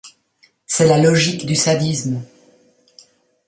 C'est la logique du sadisme.